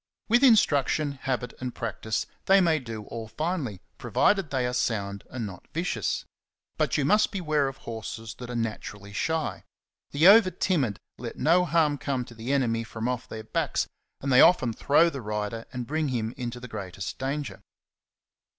With instruction, habit, and practice they may do all finely, provided they are sound and not vicious. But you must beware of horses that are naturally shy. The over timid let no harm come to the enemy from off their backs, and they often throw the rider and bring him into the greatest danger.